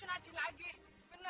udah ya ikut